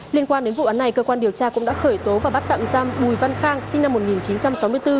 liên quan đến vụ án này cơ quan điều tra cũng đã khởi tố và bắt tạm giam bùi văn khang sinh năm một nghìn chín trăm sáu mươi bốn